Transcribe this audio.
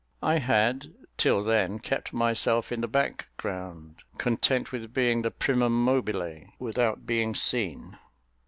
I had, till then, kept myself in the background, content with being the primum mobile, without being seen.